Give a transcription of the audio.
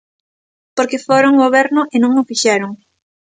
Porque foron goberno e non o fixeron.